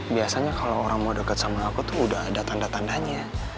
biasanya kalau orang mau deket sama aku tuh udah ada tanda tandanya